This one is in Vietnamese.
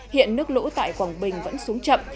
hiện nước lũ tại quảng bình vẫn xuống chậm